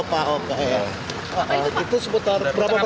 pak sehat pak